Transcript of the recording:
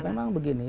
ya memang begini